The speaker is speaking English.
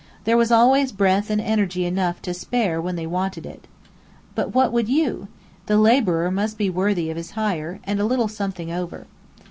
There was always breath and energy enough to spare when they wanted it. But what would you? The labourer must be worthy of his hire, and a little something over.